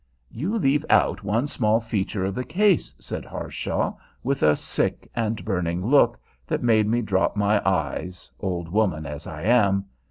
"You leave out one small feature of the case," said Harshaw, with a sick and burning look that made me drop my eyes, old woman as I am.